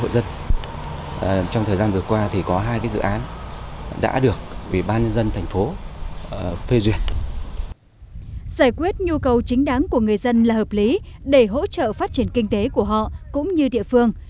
giải quyết nhu cầu chính đáng của người dân là hợp lý để hỗ trợ phát triển kinh tế của họ cũng như địa phương